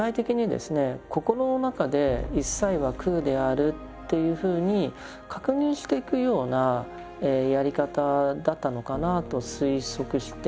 心の中で「いっさいは空である」というふうに確認していくようなやり方だったのかなと推測しています。